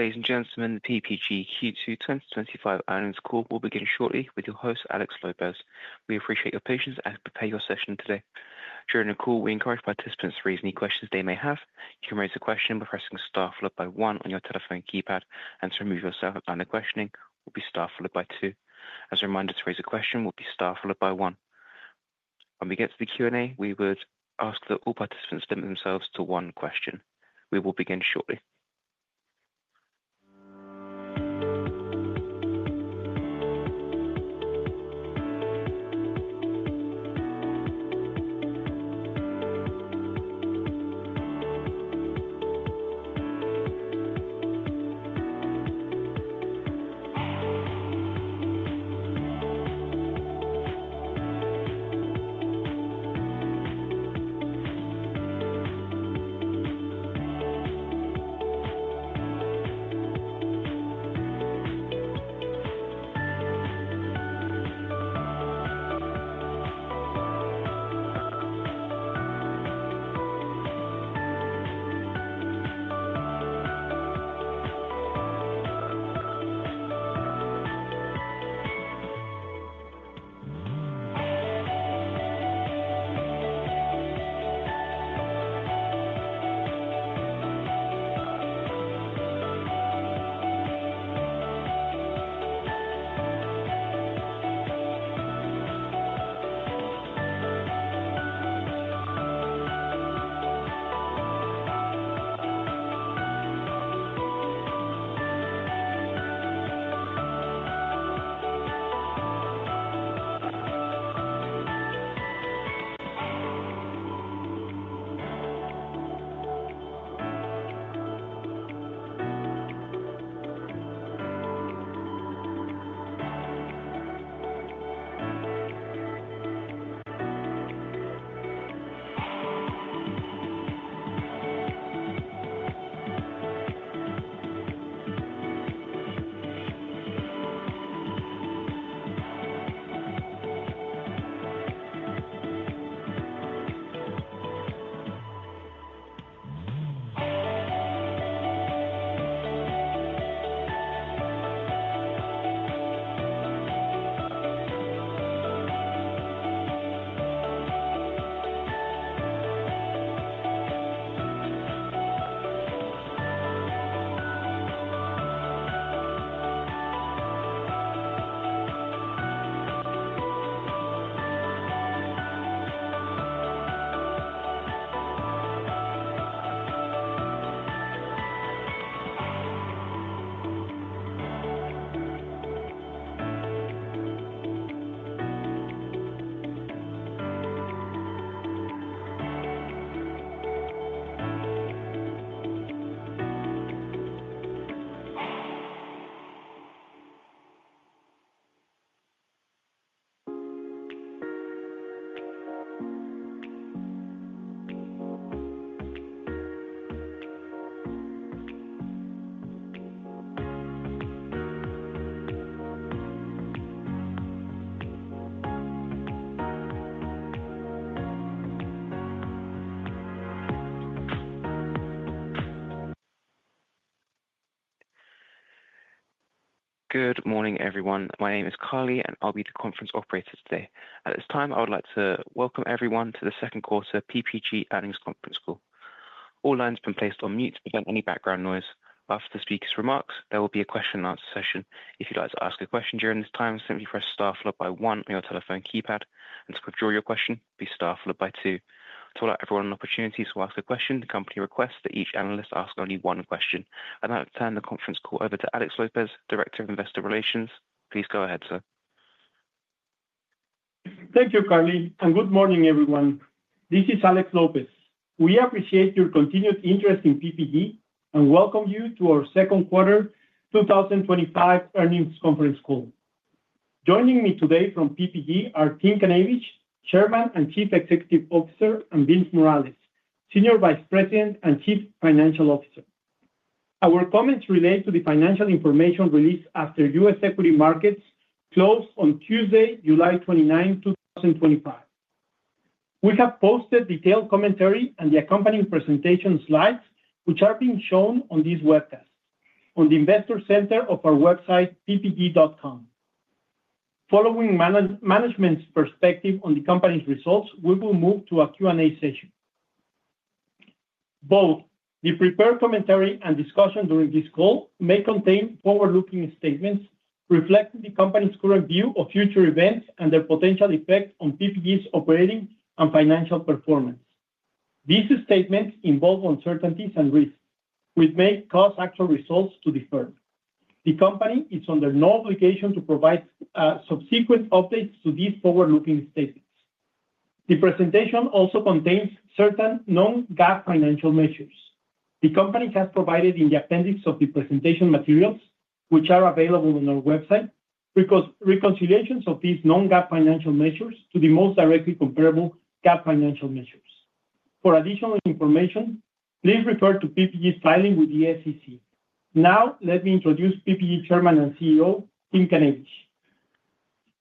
Ladies and gentlemen, the PPG Q2 2025 earnings call will begin shortly with your host, Alex Lopez. We appreciate your patience and prepare your session today. During the call, we encourage participants to raise any questions they may have. You can raise a question by pressing STAR followed by one on your telephone keypad and to remove yourself at the questioning will be STAR followed by two. As a reminder to raise a question will be STAR followed by one. When we get to the Q and A, we would ask that all participants limit themselves to one question. We will begin shortly. Good morning everyone. My name is Carly and I'll be the conference operator today. At this time I would like to welcome everyone to the Second Quarter PPG Earnings Conference Call. All lines been placed on mute to prevent any background noise. After the speaker's remarks, there will be a question and answer session. If you'd like to ask a question during this time, simply press STAR followed by one on your telephone keypad and to withdraw your question, please STAR followed by two. To allow everyone an opportunity to ask a question, the company requests that each analyst ask only one question. I'd like to turn the conference call over to Alex Lopez, Director of Investor Relations. Please go ahead, sir. Thank you, Carly and good morning everyone. This is Alex Lopez. We appreciate your continued interest in PPG and welcome you to our Second Quarter 2025 Earnings Conference Call. Joining me today from PPG are Tim Knavish, Chairman and Chief Executive Officer, and Vince Morales, Senior Vice President and Chief Financial Officer. Our comments relate to the financial information released after U.S. equity markets closed on Tuesday, July 29, 2025. We have posted detailed commentary and the accompanying presentation slides which are being shown on this webcast on the Investor Center of our website, ppg.com. Following management's perspective on the Company's results, we will move to a Q&A session. Both the prepared commentary and discussion during this call may contain forward-looking statements reflecting the Company's current view of future events and their potential effect on PPG's operating and financial performance. These statements involve uncertainties and risks which may cause actual results to differ. The Company is under no obligation to provide subsequent updates to these forward-looking statements. The presentation also contains certain non-GAAP financial measures the Company has provided in the appendix of the presentation materials which are available on our website. Reconciliations of these non-GAAP financial measures to the most directly comparable GAAP financial measures. For additional information, please refer to PPG's filing with the SEC. Now let me introduce PPG Chairman and CEO Tim Knavish.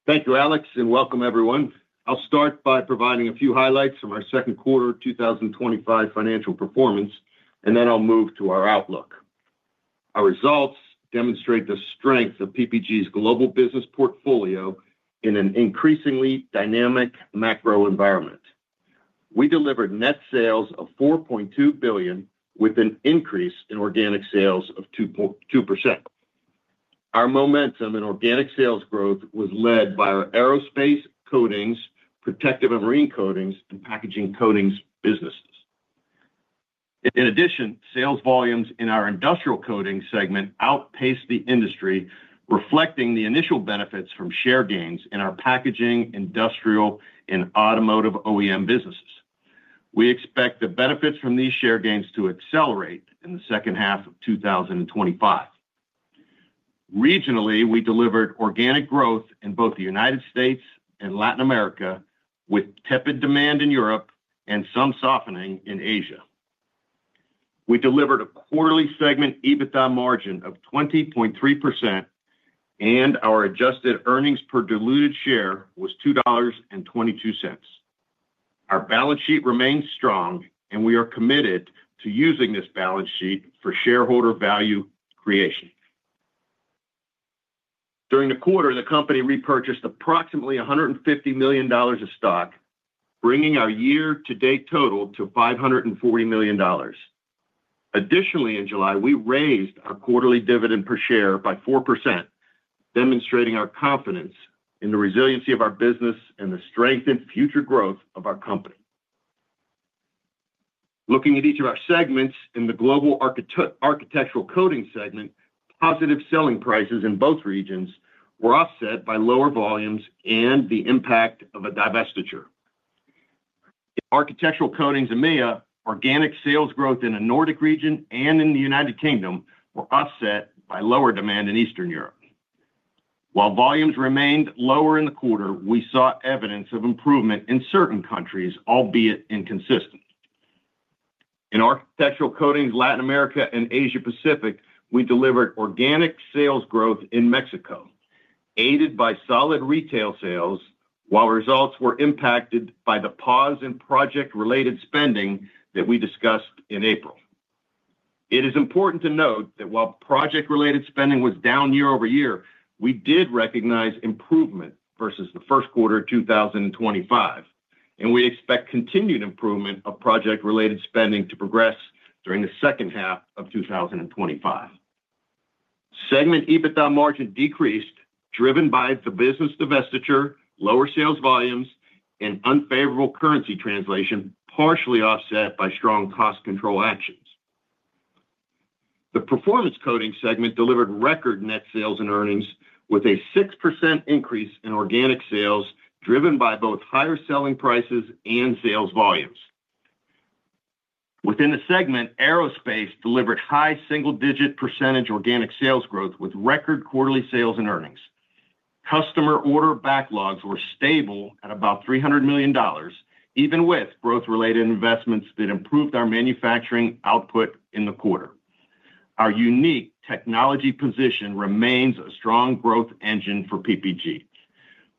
Thank you, Alex and welcome everyone. I'll start by providing a few highlights from our second quarter 2025 financial performance and then I'll move to our outlook. Our results demonstrate the strength of PPG's global business portfolio in an increasingly dynamic macro environment. We delivered net sales of $4.2 billion with an increase in organic sales of 2.2%. Our momentum in organic sales growth was led by our aerospace coatings, protective and marine coatings, and packaging coatings businesses. In addition, sales volumes in our industrial coatings segment outpaced the industry, reflecting the initial benefits from share gains in our packaging, industrial, and automotive OEM businesses. We expect the benefits from these share gains to accelerate in the second half of 2025. Regionally, we delivered organic growth in both the United States and Latin America, with tepid demand in Europe and some softening in Asia. We delivered a quarterly segment EBITDA margin of 20.3% and our adjusted earnings per diluted share was $2.22. Our balance sheet remains strong and we are committed to using this balance sheet for shareholder value creation. During the quarter, the company repurchased approximately $150 million of stock, bringing our year to date total to $540 million. Additionally, in July we raised our quarterly dividend per share by 4%, demonstrating our confidence in the resiliency of our business and the strength and future growth of our company. Looking at each of our segments, in the global architectural coating segment, positive selling prices in both regions were offset by lower volumes and the impact of a divestiture in architectural coatings. EMEA organic sales growth in the Nordic region and in the United Kingdom were offset by lower demand in Eastern Europe. While volumes remained lower in the quarter, we saw evidence of improvement in certain countries, albeit inconsistent, in architectural coatings Latin America and Asia Pacific. We delivered organic sales growth in Mexico aided by solid retail sales. While results were impacted by the pause in project related spending that we discussed in April, it is important to note that while project related spending was down year-over-year, we did recognize improvement versus the first quarter 2025 and we expect continued improvement of project related spending to progress during the second half of 2025. Segment EBITDA margin decreased driven by the business divestiture, lower sales volumes, and unfavorable currency translation, partially offset by strong cost control actions. The performance coating segment delivered record net sales and earnings with a 6% increase in organic sales driven by both higher selling prices and sales volumes within the segment. Aerospace delivered high single-digit percentage organic sales growth with record quarterly sales and earnings. Customer order backlogs were stable at about $300 million. Even with growth-related investments that improved our manufacturing output in the quarter, our unique technology position remains a strong growth engine for PPG.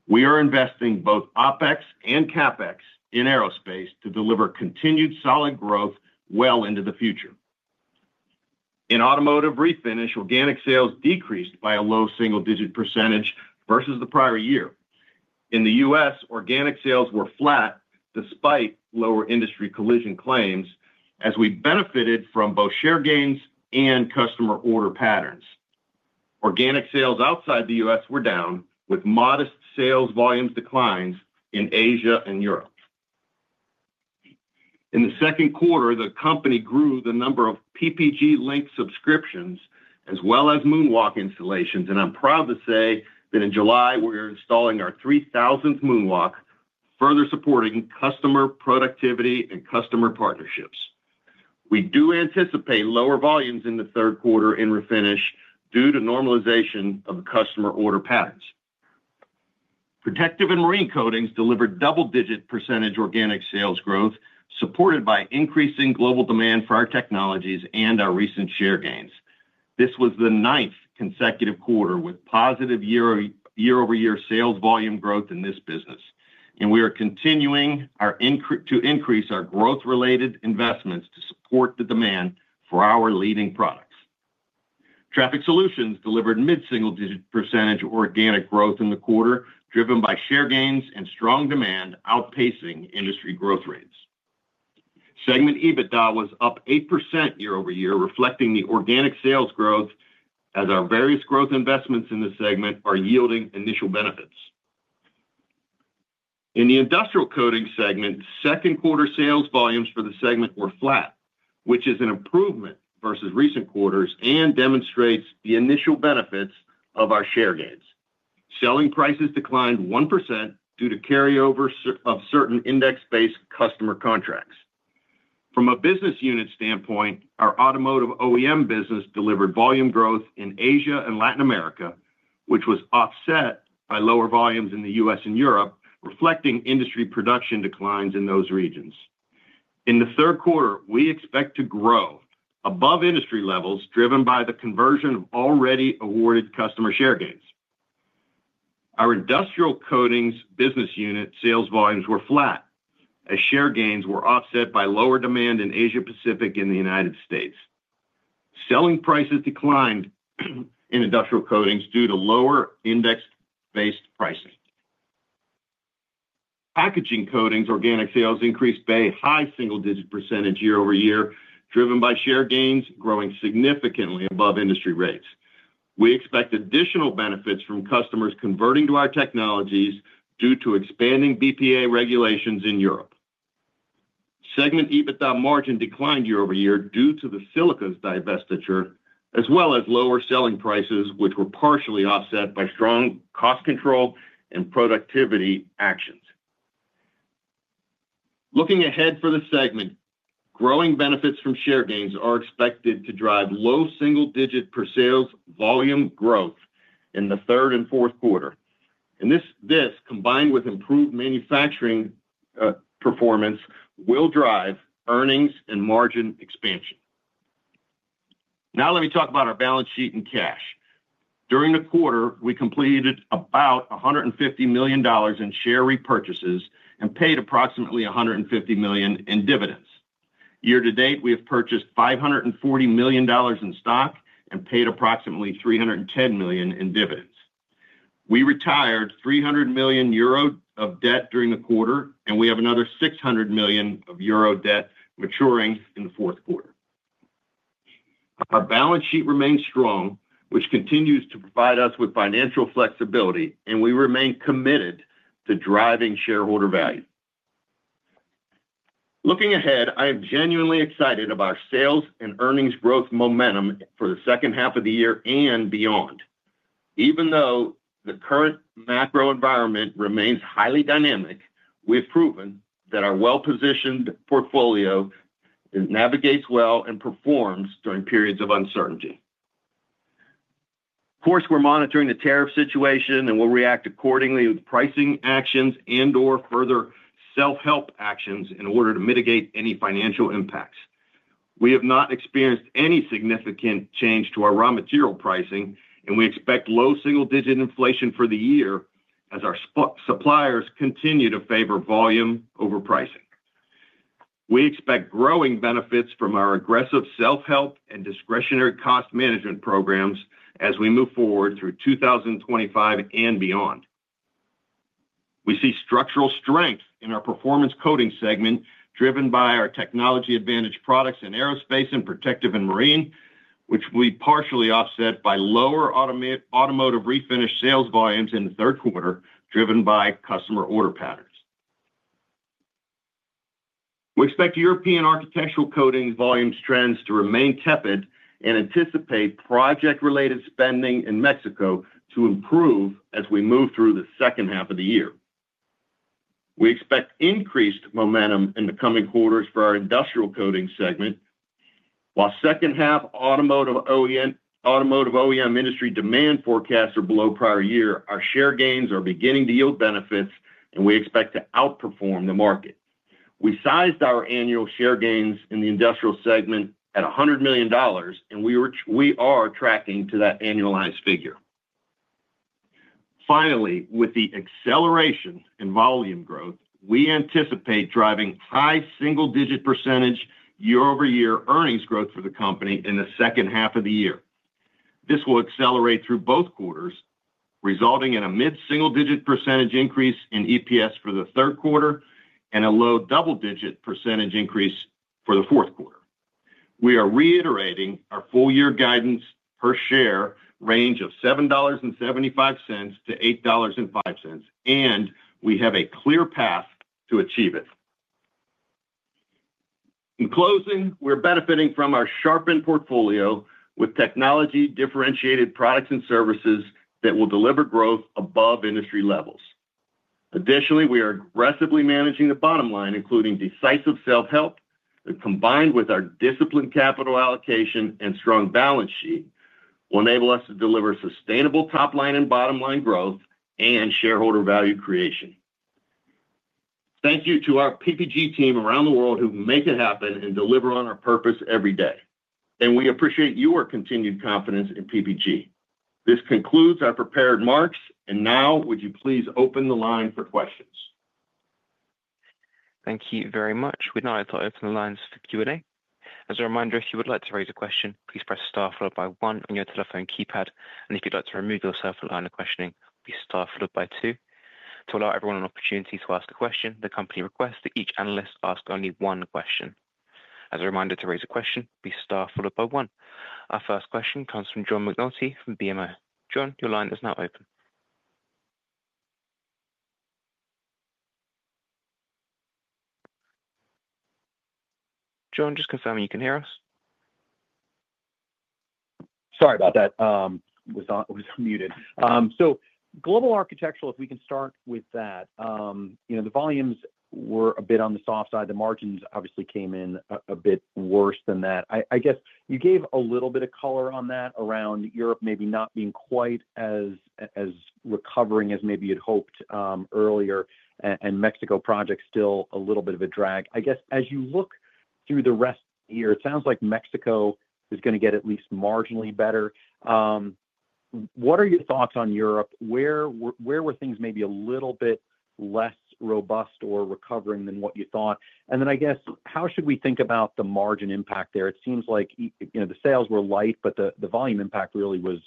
We are investing both Opex and CapEx in aerospace to deliver continued solid growth well into the future. In automotive refinish, organic sales decreased by a low single-digit percentage versus the prior year. In the U.S., organic sales were flat despite lower industry collision claims as we benefited from both share gains and customer order patterns. Organic sales outside the U.S. were down with modest sales volumes declines in Asia and Europe. In the second quarter, the company grew the number of PPG LINK subscriptions as well as MoonWalk installations, and I am proud to say that in July we are installing our 3,000th MoonWalk, further supporting customer productivity and customer partnerships. We do anticipate lower volumes in the third quarter in refinish due to normalization of the customer order patterns. Protective and marine coatings delivered double-digit percentage organic sales growth supported by increasing global demand for our technologies and our recent share gains. This was the ninth consecutive quarter with positive year-over-year sales volume growth in this business, and we are continuing to increase our growth-related investments to support the demand for our leading products. Traffic Solutions delivered mid single-digit percentage organic growth in the quarter driven by share gains and strong demand outpacing industry growth rates. Segment EBITDA was up 8% year-over-year, reflecting the organic sales growth as our various growth investments in the segment are yielding initial benefits. In the industrial coatings segment, second quarter sales volumes for the segment were flat, which is an improvement versus recent quarters and demonstrates the initial benefits of our share gains. Selling prices declined 1% due to carryover of certain index-based customer contracts. From a business unit standpoint, our automotive OEM business delivered volume growth in Asia and Latin America which was offset by lower volumes in the U.S. and Europe reflecting industry production declines in those regions. In the third quarter we expect to grow above industry levels driven by the conversion of already awarded customer share gains. Our industrial coatings business unit sales volumes were flat as share gains were offset by lower demand in Asia Pacific and the United States. Selling prices declined in industrial coatings due to lower index based pricing. Packaging coatings organic sales increased by a high single digit percentage year-over-year driven by share gains growing significantly above industry rates. We expect additional benefits from customers converting to our technologies due to expanding BPA regulations. In Europe segment EBITDA margin declined year-over-year due to the silicas divestiture as well as lower selling prices which were partially offset by strong cost control and productivity actions. Looking ahead for the segment, growing benefits from share gains are expected to drive low single digit percentage sales volume growth in the third and fourth quarter and this combined with improved manufacturing performance will drive earnings and margin expansion. Now let me talk about our balance sheet and cash. During the quarter we completed about $150 million in share repurchases and paid approximately $150 million in dividends. Year to date we have purchased $540 million in stock and paid approximately $310 million in dividends. We retired 300 million euro of debt during the quarter and we have another 600 million of euro debt maturing in the fourth quarter. Our balance sheet remains strong which continues to provide us with financial flexibility and we remain committed to driving shareholder value. Looking ahead, I am genuinely excited about our sales and earnings growth momentum for the second half of the year and beyond. Even though the current macro environment remains highly dynamic, we have proven that our well positioned portfolio navigates well and performs during periods of uncertainty. Of course we're monitoring the tariff situation and we'll react accordingly with pricing actions and or further self-help actions in order to mitigate any financial impacts. We have not experienced any significant change to our raw material pricing and we expect low single-digit inflation for the year as our suppliers continue to favor volume over pricing. We expect growing benefits from our aggressive self-help and discretionary cost management programs. As we move forward through 2025 and beyond, we see structural strength in our performance coating segment driven by our technology advantage products in aerospace and protective and marine, which will be partially offset by lower automotive refinish sales volumes in the third quarter driven by customer order patterns. We expect European architectural coatings volumes trends to remain tepid and anticipate project-related spending in Mexico to improve as we move through the second half of the year. We expect increased momentum in the coming quarters for our industrial coatings segment while second half Automotive OEM industry demand forecasts are below prior year. Our share gains are beginning to yield benefits and we expect to outperform the market. We sized our annual share gains in the industrial segment at $100 million and we are tracking to that annualized figure. Finally, with the acceleration in volume growth, we anticipate driving high single-digit percentage year-over-year earnings growth for the company in the second half of the year. This will accelerate through both quarters, resulting in a mid single-digit percentage increase in EPS for the third quarter and a low double-digit percentage increase for the fourth quarter. We are reiterating our full year guidance per share range of $7.75-$8.05 and we have a clear path to achieve it. In closing, we're benefiting from our sharpened portfolio with technology-differentiated products and services that will deliver growth above industry levels. Additionally, we are aggressively managing the bottom line, including decisive self-help. That, combined with our disciplined capital allocation and strong balance sheet, will enable us to deliver sustainable top line and bottom line growth and shareholder value creation. Thank you to our PPG team around the world who make it happen and deliver on our purpose every day and we appreciate your continued confidence in PPG. This concludes our prepared remarks. Now would you please open the line for questions. Thank you very much. We'd now like to open the lines for Q and A. As a reminder, if you would like to raise a question, please press star followed by one on your telephone keypad. If you'd like to remove yourself at the line of questioning, please star followed by two. To allow everyone an opportunity to ask a question, the company requests that each analyst ask only one question. As a reminder to raise a question, star followed by one. Our first question comes from John McNulty from BMO. John, your line is now open. John, just confirming you can hear us. Sorry about that, was unmuted. Global architectural, if we can start with that. You know, the volumes were a bit on the soft side. The margins obviously came in a bit worse than that. I guess you gave a little bit of color on that around Europe maybe not being quite as recovering as maybe you'd hoped earlier. Mexico project still a little bit of a drag. I guess as you look through the rest here, it sounds like Mexico is going to get at least marginally better. What are your thoughts on Europe? Where were things maybe a little bit less robust or recovering than what you thought? How should we think about the margin impact there? It seems like the sales were light, but the volume impact really was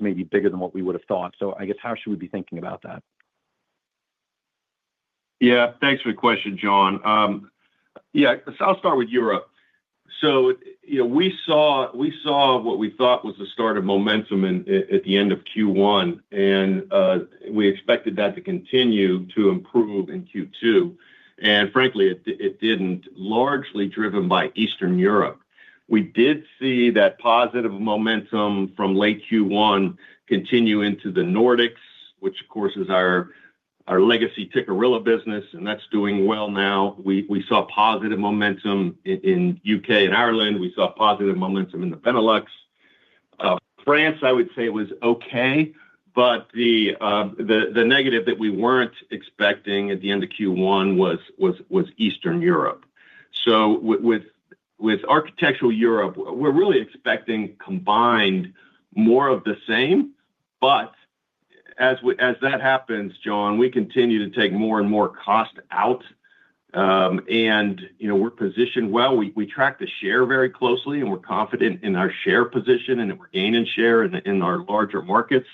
maybe bigger than what we would have thought. How should we be thinking about that? Yeah, thanks for the question, John. I'll start with Europe. We saw what we thought was the start of momentum at the end of Q1 and we expected that to continue to improve in Q2 and frankly it did not. Largely driven by Eastern Europe. We did see that positive momentum from late Q1 continue into the Nordics, which of course is our legacy Ticarilla business, and that's doing well now. We saw positive momentum in the U.K. and Ireland. We saw positive momentum in the Benelux. France, I would say, was okay, but the negative that we were not expecting at the end of Q1 was Eastern Europe. With architectural Europe, we're really expecting combined more of the same. As that happens, John, we continue to take more and more cost out and we're positioned well. We track the share very closely and we're confident in our share position and we're gaining share in our larger markets.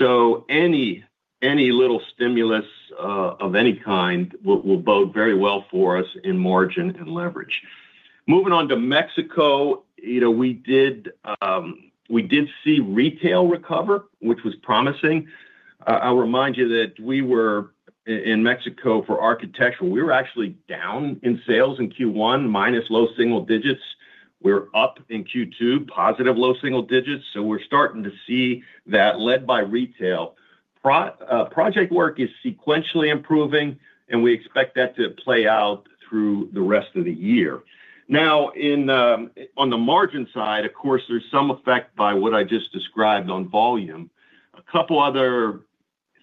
Any little stimulus of any kind will bode very well for us in margin and leverage. Moving on to Mexico, we did see retail recover, which was promising. I'll remind you that we were in Mexico for architectural. We were actually down in sales in Q1, minus low single digits. We're up in Q2, positive low single digits. We're starting to see that led by retail. Project work is sequentially improving and we expect that to play out through the rest of the year. Now, on the margin side, of course there's some effect by what I just described on volume. A couple other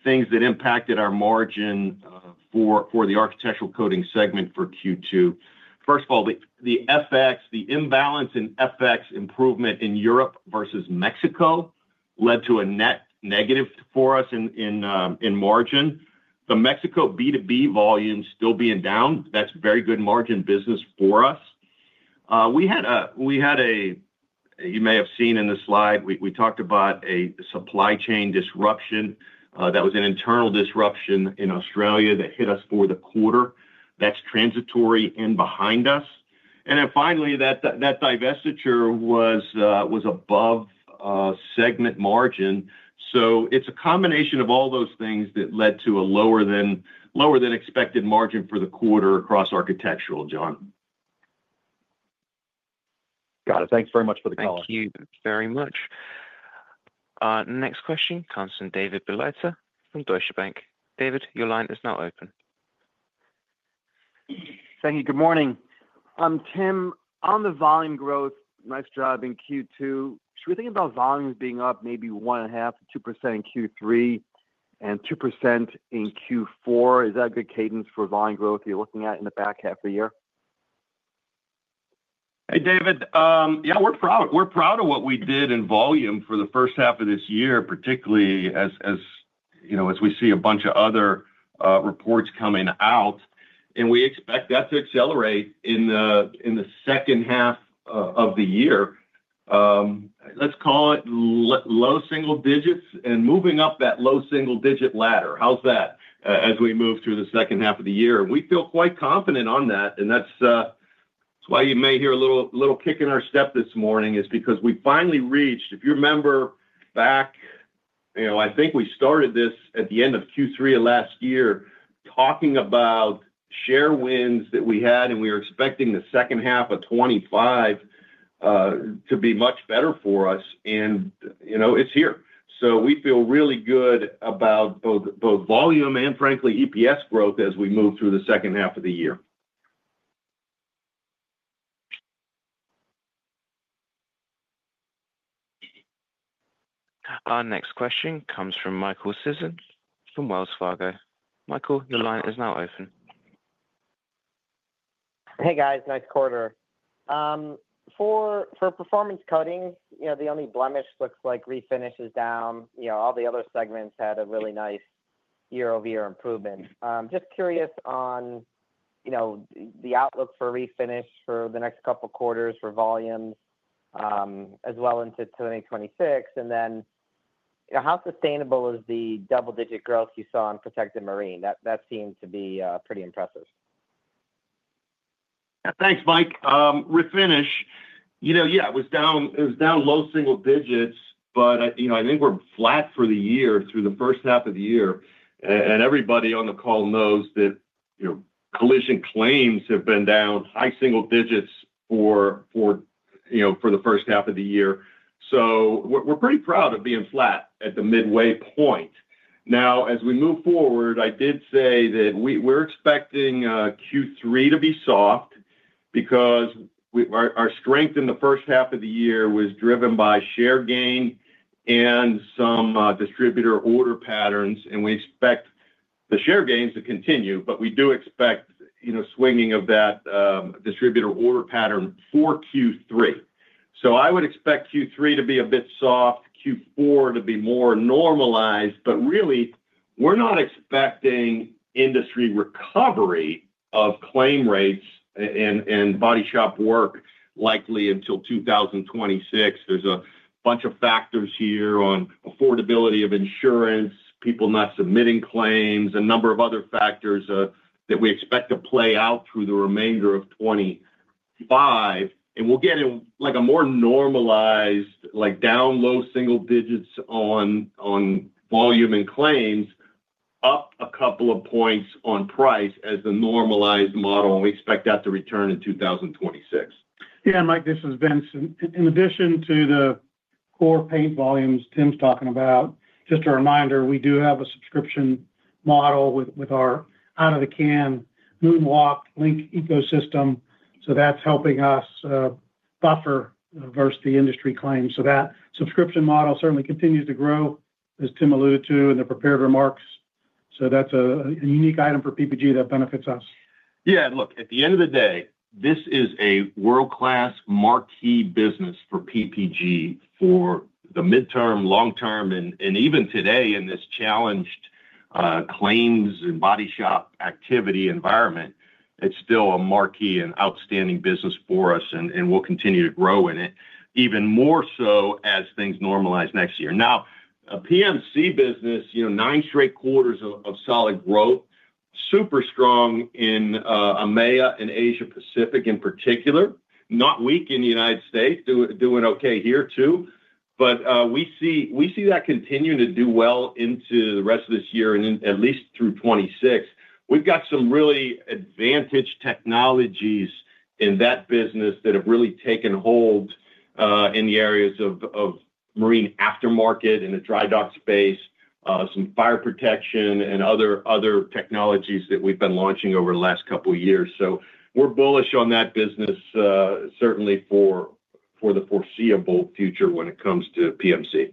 things that impacted our margin for the architectural coatings segment for Q2. First of all, the FX, the imbalance in FX improvement in Europe versus Mexico led to a net negative for us in margin. The Mexico B2B volume still being down, that's very good margin business for us. You may have seen in the slide, we talked about a supply chain disruption that was an internal disruption in Australia that hit us for the quarter that's transitory and behind us. Finally, that divestiture was above segment margin. It's a combination of all those things that led to a lower than expected margin for the quarter across architectural. John, Got it. Thanks very much for the call. Thank you very much. Next question comes from David Huang from Deutsche Bank. David, your line is now open. Thank you. Good morning, I'm Tim. On the volume growth, nice job in Q2, should we think about volumes being up maybe 1.5%-2% in Q3 and 2% in Q4? Is that a good cadence for volume growth you're looking at in the back half of the year? Hey, David. Yeah, we're proud, we're proud of what we did in volume for the first half of this year. Particularly as you know, as we see a bunch of other reports coming out and we expect that to accelerate in the second half of the year. Let's call it low single digits and moving up that low single digit ladder. How's that as we move through the second half of the year, we feel quite confident on that and that's why you may hear a little kick in our step this morning is because we finally reached, if you remember back, you know, I think we started this at the end of Q3 of last year talking about share wins that we had and we were expecting 2H2025 to be much better for us and you know, it's here. We feel really good about both, both volume and frankly EPS growth as we move through the second half of the year. Our next question comes from Michael Sison from Wells Fargo. Michael, your line is now open. Hey guys, nice quarter for performance coating. You know the only blemish looks like refinish is down. You know, all the other segments had a really nice year-over-year improvement. Just curious on, you know, the outlook for refinish for the next couple quarters for volumes as well into 2026 and then how sustainable is the double-digit growth you saw in protective and marine? That seemed to be pretty impressive. Thanks Mike. Refinish, you know, yeah, it was down, it was down low single digits but, you know, I think we're flat for the year through the first half of the year and everybody on the call knows that your collision claims have been down high single digits for, you know, for the first half of the year. So we're pretty proud of being flat at the midway point now as we move forward. I did say that we're expecting Q3 to be soft because our strength in the first half of the year was driven by share gain and some distributor order patterns and we expect the share gains to continue, but we do expect, you know, swinging of that distributor order pattern for Q3. I would expect Q3 to be a bit soft, Q4 to be more normalized. Really we're not expecting industry recovery of claim rates and body shop work likely until 2026. There's a bunch of factors here on affordability of insurance, people not submitting claims, a number of other factors that we expect to play out through the remainder of 2025 and we'll get in like a more normalized like down low single digits on, on volume and claims up a couple of points on price as the normalized model and we expect that to return in 2026. Yeah, Mike, this is Vince. In addition to the core paint volumes Tim's talking about, just a reminder, we do have a subscription model with our out of the can MoonWalk LINQ ecosystem. That's helping us buffer versus the industry claims. That subscription model certainly continues to grow as Tim alluded to in the prepared remarks. That's a unique item for PPG that benefits us. Yeah. Look, at the end of the day, this is a world-class marquee business for PPG for the midterm, long term. And even today in this challenged claims and body shop activity environment, it's still a marquee and outstanding business for us, and we'll continue to grow in it even more so as things normalize next year. Now, a PMC business. Nine straight quarters of solid growth. Super strong in EMEA and Asia Pacific in particular. Not weak in the United States. Doing okay here too. We see that continuing to do well into the rest of this year and at least through 2026. We've got some really advantaged technologies in that business that have really taken hold in the areas of marine aftermarket, in the dry dock space, some fire protection and other technologies that we've been launching over the last couple of years. We're bullish on that business certainly for the foreseeable future when it comes to PMC.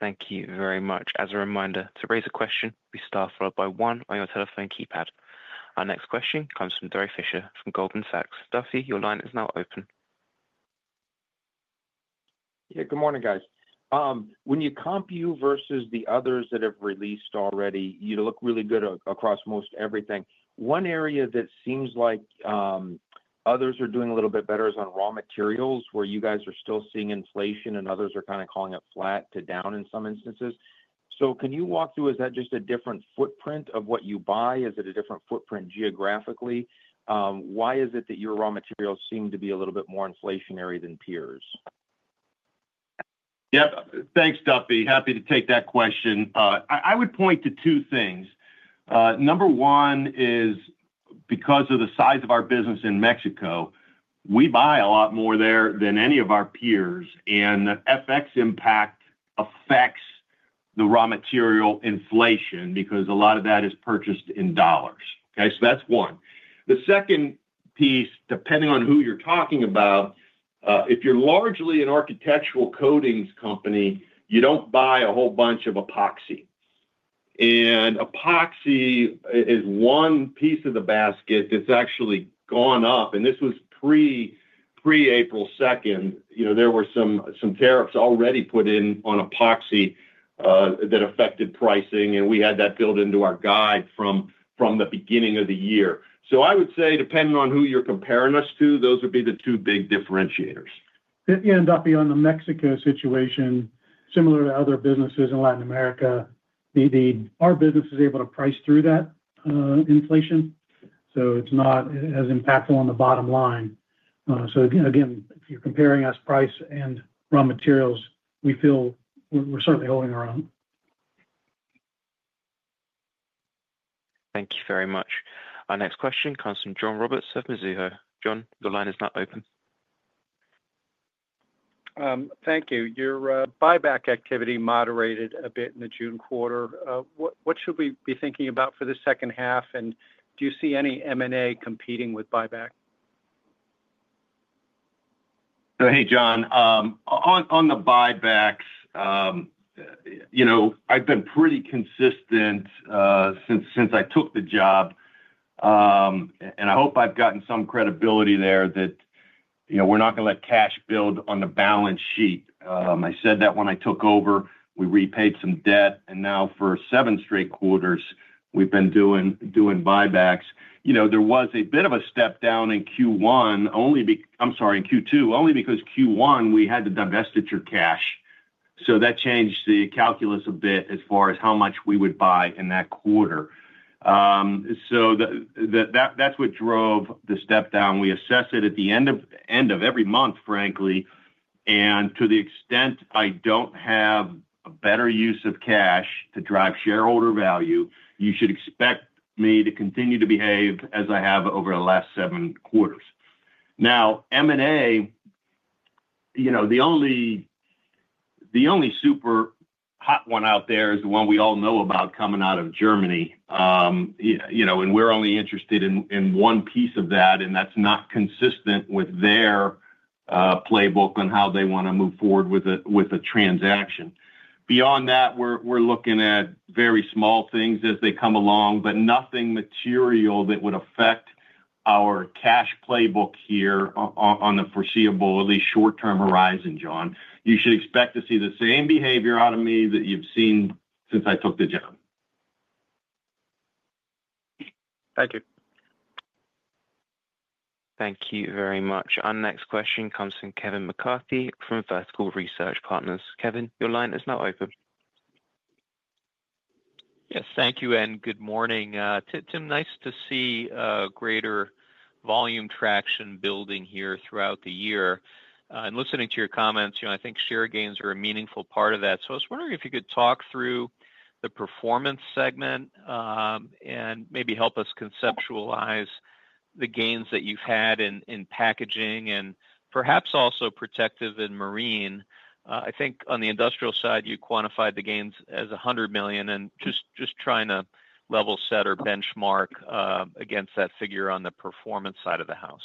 Thank you very much. As a reminder to raise a question, please press star followed by one on your telephone keypad. Our next question comes from Duffy Fischer from Goldman Sachs. Duffy, your line is now open. Good morning guys. When you compu versus the others that have released already, you look really good across most everything. One area that seems like others are doing a little bit better is on raw materials, where you guys are still seeing inflation and others are kind of calling it flat to down in some instances. Can you walk through? Is that just a different footprint of what you buy? Is it a different footprint geographically? Why is it that your raw materials seem to be a little bit more inflationary than peers? Yep. Thanks, Duffy. Happy to take that question. I would point to two things. Number one is because of the size of our business in Mexico, we buy a lot more there than any of our peers. FX impact affects the raw material inflation because a lot of that is purchased in dollars. That is one. The second piece, depending on who you are talking about. If you are largely an architectural coatings company, you do not buy a whole bunch of epoxy. Epoxy is one piece of the basket that has actually gone up. This was pre April 2. There were some tariffs already put in on epoxy that affected pricing and we had that built into our guide from the beginning of the year. I would say depending on who you are comparing us to, those would be the two big differentiators And on the Mexico situation. Similar to other businesses in Latin America, our business is able to price through that inflation. It is not as impactful on the bottom line. Again, if you are comparing us price and raw materials, we feel we are certainly holding our own. Thank you very much. Our next question comes from John Roberts of Mizuho. John, the line is now open. Thank you. Your buyback activity moderated a bit in the June quarter. What should we be thinking about for the second half? Do you see any M and A? Competing with buyback? Hey, John, on the buybacks, you know, I've been pretty consistent since I took the job and I hope I've gotten some credibility there that, you know, we're not going to let cash build on the balance sheet. I said that when I took over. We repaid some debt and now for seven straight quarters we've been doing buybacks. You know, there was a bit of a step down in Q2 only, I'm sorry, in Q2 only, because Q1 we had the divestiture cash. So that changed the calculus a bit as far as how much we would buy in that quarter. That's what drove the step down. We assess it at the end of every month, frankly, and to the extent I don't have a better use of cash to drive shareholder value, you should expect me to continue to behave as I have over the last seven quarters now. M and A, you know, the only super hot one out there is the one we all know about coming out of Germany, you know, and we're only interested in one piece of that and that's not consistent with their playbook on how they want to move forward with it with a transaction. Beyond that, we're looking at very small things as they come along, but nothing material that would affect our cash playbook here on the foreseeable, at least short term horizon. John, you should expect to see the same behavior out of me that you've seen since I took the job. Thank you. Thank you very much. Our next question comes from Kevin McCarthy from Seaport Research Partners. Kevin, your line is now open. Yes, thank you and good morning, Tim. Nice to see greater volume traction building here throughout the year. Listening to your comments, I think share gains are a meaningful part of that. I was wondering if you could talk through the performance segment and maybe help us conceptualize the gains that you've had in packaging and perhaps also protective and marine. I think on the industrial side you quantified the gains as $100 million and just trying to level set or benchmark against that figure on the performance side of the house?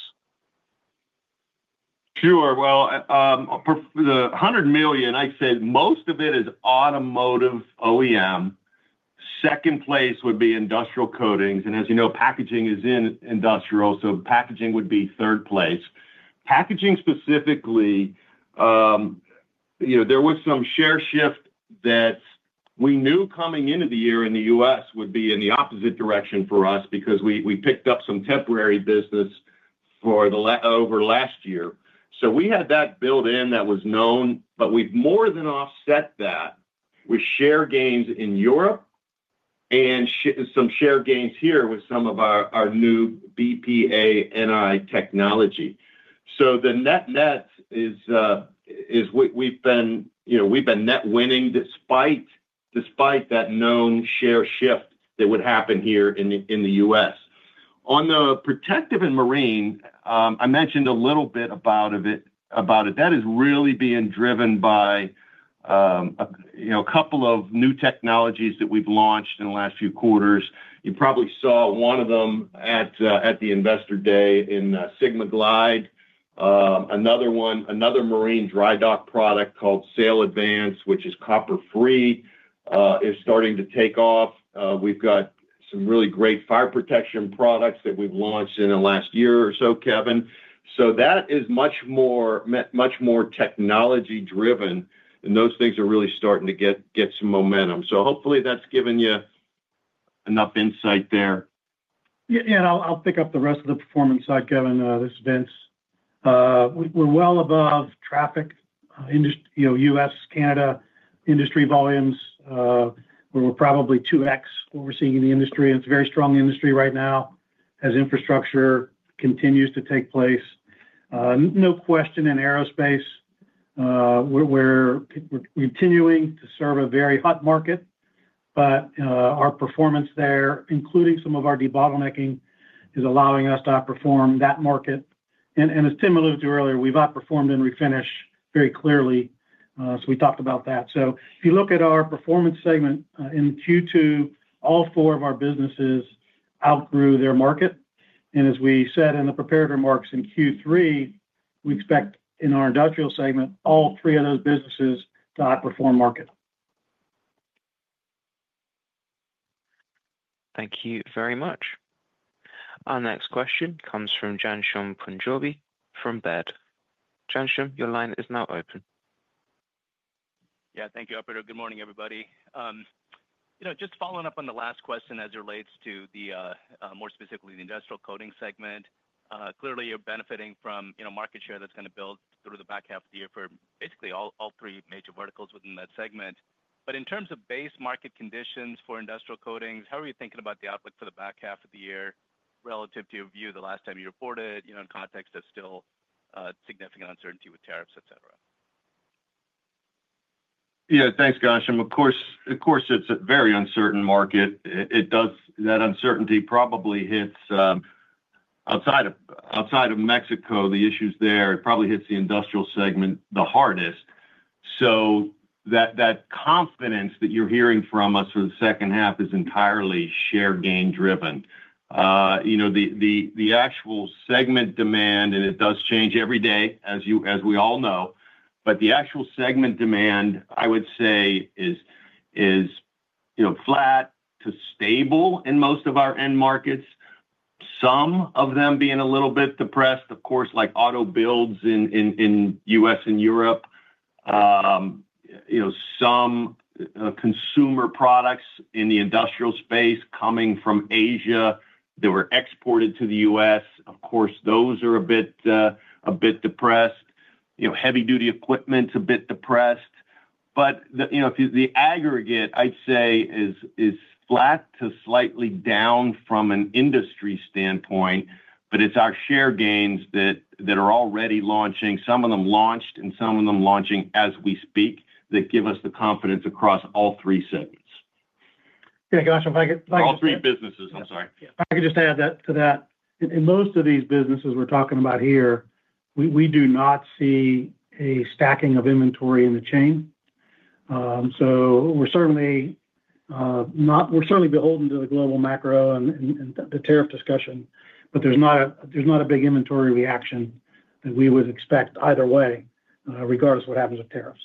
Sure. The $100 million I said, most of it is automotive OEM. Second place would be industrial coatings, and as you know, packaging is in industrial, so packaging would be third place, packaging specifically. There was some share shift that we knew coming into the year in the U.S. would be in the opposite direction for us because we picked up some temporary business over last year. We had that built in, that was known. We've more than offset that with share gains in Europe and some share gains here with some of our new BPA NI technology. The net net is we've been net winning despite that known share shift that would happen here in the U.S. On the protective and marine, I mentioned a little bit about it. That is really being driven by a couple of new technologies that we've launched in the last few quarters. You probably saw one of them at the investor day in Sigma Glide. Another one, another marine dry dock product called SailAdvance, which is copper free, is starting to take off. We've got some really great fire protection products that we've launched in the last year or so, Kevin.That is much more technology driven, and those things are really starting to get some momentum. Hopefully that's given you enough insight there. I'll pick up the rest of the performance side. Kevin, this is Vince. We're well above traffic, you know, U.S. Canada industry volumes. We're probably 2x what we're seeing in the industry, and it's a very strong industry right now as infrastructure continues to take place. No question in aerospace we're continuing to serve a very hot market. Our performance there, including some of our debottlenecking, is allowing us to outperform that market. As Tim alluded to earlier, we've outperformed in refinish very clearly. We talked about that. If you look at our performance segment in Q2, all four of our businesses outgrew their market. As we said in the prepared remarks, in Q3 we expect in our industrial segment all three of those businesses to outperform market. Thank you very much. Our next question comes from Ghansham Panjabi from Baird. Your line is now open. Yeah, thank you, operator. Good morning, everybody. You know, just following up on the last question as it relates to more specifically the industrial coatings segment, clearly you're benefiting from, you know, market share that's going to build through the back half of the year for basically all three major verticals within that segment. In terms of base market conditions for industrial coatings, how are you thinking about the outlook for the back half of the year relative to your view the last time you reported, you know, in context of still significant uncertainty with tariffs, et cetera? Yeah, thanks, Ghosh. Of course, it's a very uncertain market. That uncertainty probably hits outside of Mexico, the issues there. It probably hits the industrial segment the hardest. That confidence that you're hearing from us for the second half is entirely share gain driven, the actual segment demand, and it does change every day, as we all know. The actual segment demand, I would say, is flat to stable in most of our end markets. Some of them being a little bit depressed, of course, like auto builds in the U.S. and Europe, some consumer products in the industrial space coming from Asia that were exported to the U.S., of course those are a bit depressed. Heavy duty equipment's a bit depressed. The aggregate, I'd say, is flat to slightly down from an industry standpoint. It's our share gains that are already launching, some of them launched and some of them launching as we speak, that give us the confidence across all three segments. Yeah, gosh, all three businesses. I'm sorry, I could just add to that. In most of these businesses we're talking about here, we do not see a stacking of inventory in the chain. We're certainly not, we're certainly beholden to the global macro and the tariff discussion, but there's not a big inventory reaction that we would expect either way, regardless what happens with tariffs.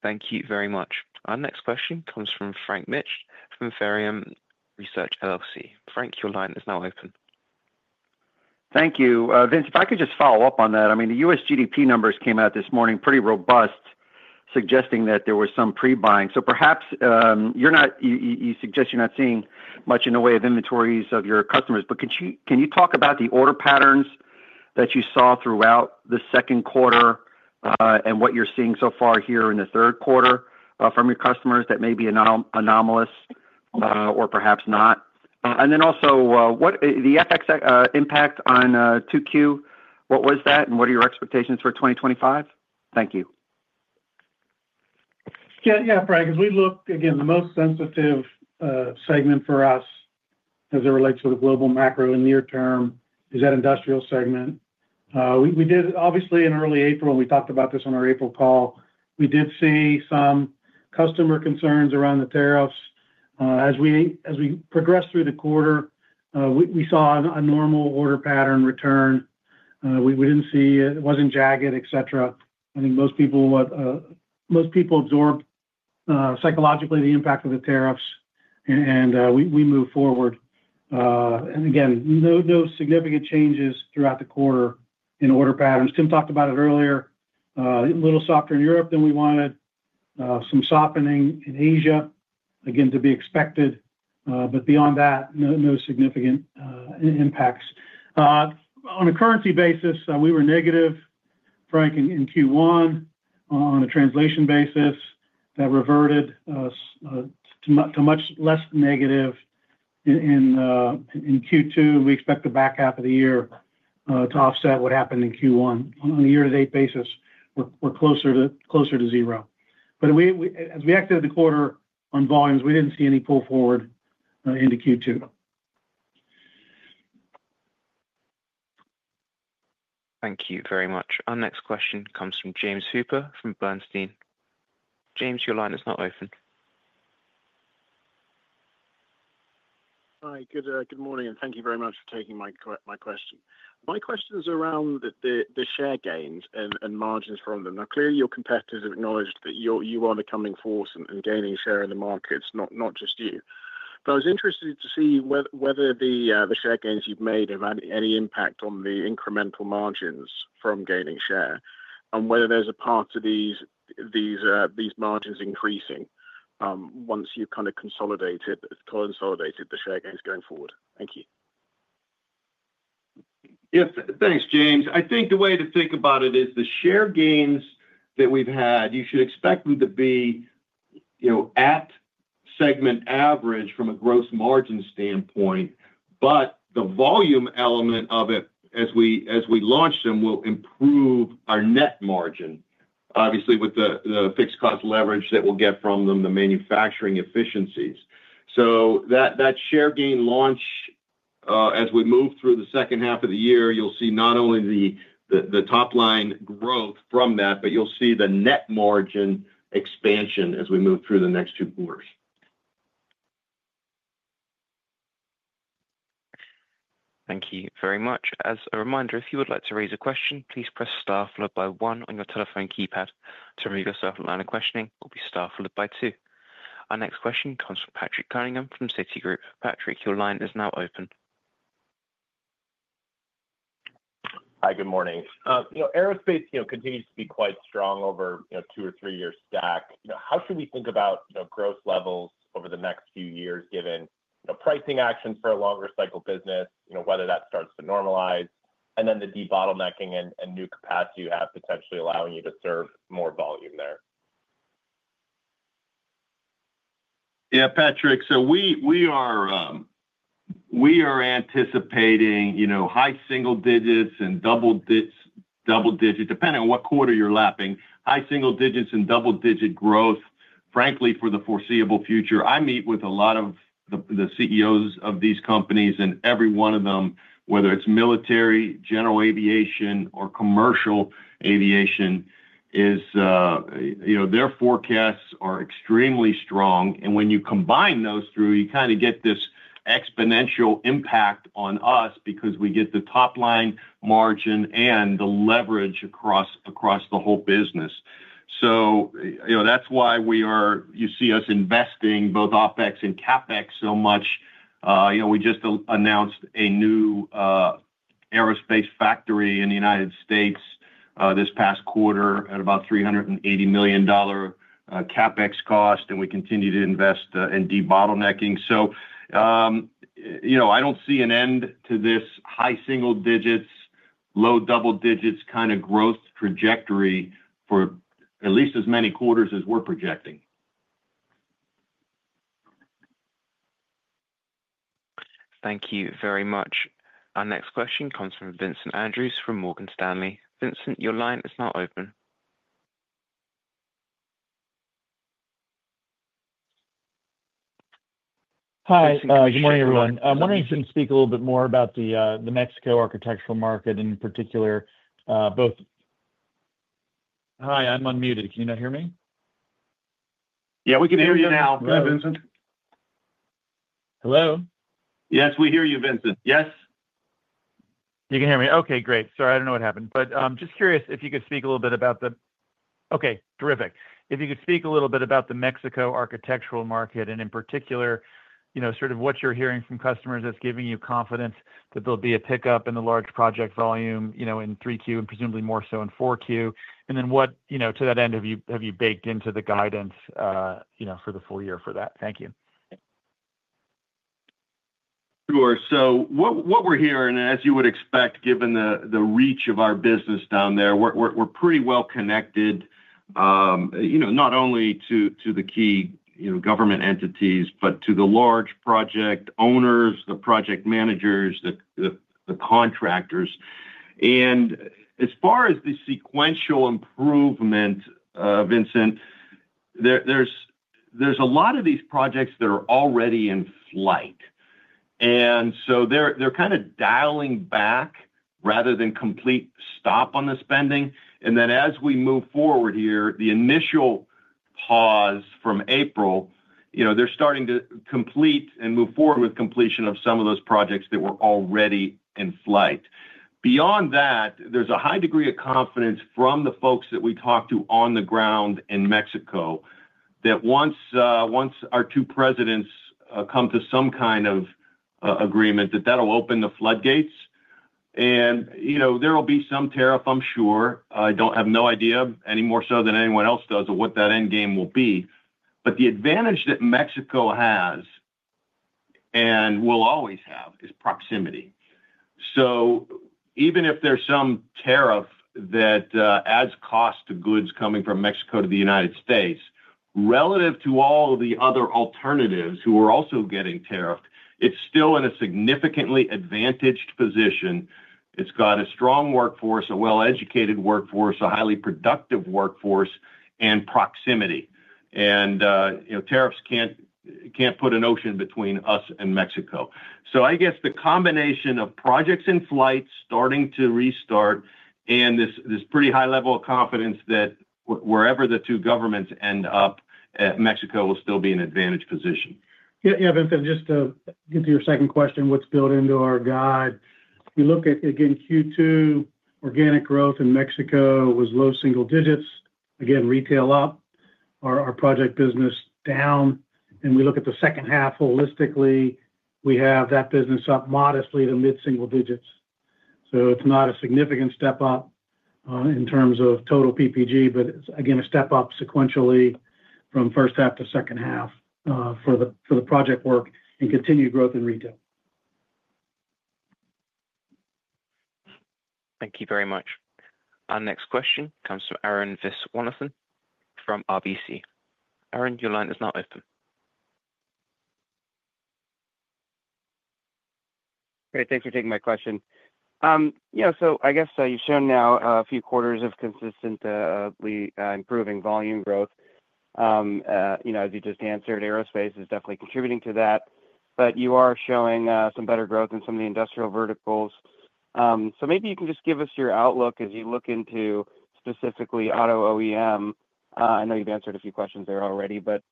Thank you very much. Our next question comes from Frank Mitsch from Fermium Research. Frank, your line is now open. Thank you, Vince. If I could just follow up on that. I mean, the U.S. GDP numbers came out this morning pretty robust, suggesting that there was some pre buying. So perhaps you're not, you suggest you're not seeing much in the way of inventories of your customers, but can you talk about the order patterns that you saw throughout the second quarter and what you're seeing so far here in the third quarter from your customers that may be anomalous or perhaps not. Also what the FX impact on 2Q, what was that and what are your expectations for 2025? Thank you. Yeah, Frank, as we look again, the most sensitive segment for us as it relates to the global macro and near term is that industrial segment. We did obviously in early April and we talked about this on our April call. We did see some customer concerns around the tariffs. As we progressed through the quarter, we saw a normal order pattern return. We did not see it was not jagged, etc. I think most people, what most people absorbed psychologically the impact of the tariffs and we move forward. Again, no significant changes throughout the quarter in order patterns. Tim talked about it earlier, a little softer in Europe than we wanted, some softening in Asia again to be expected. Beyond that, no significant impacts. On a currency basis we were negative, Frank, in Q1. On a translation basis that reverted to much less negative in Q2. We expect the back half of the year to offset what happened in Q1. On a year to date basis we are closer to zero. As we exited the quarter on volumes, we did not see any pull forward into Q2. Thank you very much. Our next question comes from James Hooper from Bernstein. James, your line is now open. Hi, good morning and thank you very much. Much for taking my question. My question is around the share gains and margins from them. Now clearly your competitors have acknowledged that you are the coming force and gaining share in the markets. Not just you, but I was interested to see whether the share gains you've made have had any impact on the incremental margins from gaining share and whether there's a part of these margins increasing once you've kind of consolidated the share gains going forward? Thank you. Thanks James. I think the way to think about it is the share gains that we've had. You should expect them to be at segment average from a gross margin standpoint, but the volume element of it as we launch them will improve our net margin obviously with the fixed cost leverage that we'll get from them, the manufacturing efficiencies so that share gain launch as we move through the second half of the year, you'll see not only the top line growth from that, but you'll see the net margin expansion as we move through the next two quarters. Thank you very much. As a reminder, if you would like to raise a question, please press star followed by one on your telephone keypad to remove yourself. At line of questioning will be star followed by two. Our next question comes from Patrick Cunningham from Citigroup. Patrick, your line is now open. Hi, good morning. Aerospace continues to be quite strong over two or three year stack. You know, how should we think about gross levels over the next few years given pricing actions for a longer cycle business, you know, whether that starts to normalize and then the debottlenecking and new capacity you have potentially allowing you to serve more volume there.? Yeah, Patrick, so we are, we are anticipating, you know, high single digits and double, double digit depending on what quarter? You're lapping high single digits and double digit growth, frankly, for the foreseeable future. I meet with a lot of the CEOs of these companies and every one of them, whether it's military, general aviation or commercial aviation, is, you know, their forecasts are extremely strong. When you combine those through, you kind of get this exponential impact on us because we get the top line margin and the leverage across, across the whole business. You know, that's why we are. You see us investing both Opex and CapEx so much. You know, we just announced a new aerospace factory in the United States this past quarter at about $380 million CapEx cost and we continue to invest in debottlenecking. You know, I don't see an end to this high single digits, low double digits kind of growth trajectory for at least as many quarters as we're projecting. Thank you very much. Our next question comes from Vincent Andrews from Morgan Stanley. Vincent, your line is not open. Hi, good morning everyone. I'm wondering if you can speak a little bit more about the Mexico architectural market in particular, both. Hi, I'm unmuted, can you not hear me? Yeah, we can hear you now. Hello? Yes, we hear you, Vince. Yes You can hear me. Okay, great. Sorry, I don't know what happened, but just curious if you could speak a little bit about the. Okay, terrific. If you could speak a little bit about the Mexico architectural market and in particular, you know, sort of what you're hearing from customers that's giving you confidence that there'll be a pickup in the large project volume, you know, in 3Q and presumably more so in 4Q. What, you know, to that end, have you baked into the guidance, you know, for the full year for that? Thank you. Sure. What we're hearing, as you would expect, given the reach of our business down there, we're pretty well connected, you know, not only to the key government entities but to the large project owners, the project managers, the contractors. As far as the sequential improvement, Vincent, there are a lot of these projects that are already in flight and so they're kind of dialing back rather than a complete stop on the spending. As we move forward here, the initial pause from April, you know, they're starting to complete and move forward with completion of some of those projects that were already in flight. Beyond that, there's a high degree of confidence from the folks that we talk to on the ground in Mexico that once our two presidents come to some kind of agreement that will open the floodgates and, you know, there will be some tariff. I'm sure I have no idea any more so than anyone else does of what that end game will be. The advantage that Mexico has and will always have is proximity. Even if there's some tariff that adds cost to goods coming from Mexico to the United States relative to all the other alternatives who are also getting tariffed, it's still in a significantly advantaged position. It's got a strong workforce, a well-educated workforce, a highly productive workforce, and proximity, and tariffs can't put an ocean between us and Mexico. I guess the combination of projects in flight starting to restart and this pretty high level of confidence that wherever the two governments end up, Mexico will still be in an advantaged position. Yeah. Vincent, just to get to your second question, what's built into our guide? You look at again Q2, organic growth in Mexico was low single digits. Again retail up, our project business down. You look at the second half holistically, we have that business up modestly to mid single digits. It is not a significant step up in terms of total PPG, but again a step up sequentially from first half to second half for the project work and continued growth in retail. Thank you very much. Our next question comes from Arun Viswanathan from RBC. Arun, your line is now open. Great, thanks for taking my question. I guess you've shown now a few quarters of consistently improving volume growth. You know, as you just answered, aerospace is definitely contributing to that, but you are showing some better growth in some of the industrial verticals. Maybe you can just give us your outlook as you look into specifically auto OEM? I know you've answered a few questions there already, but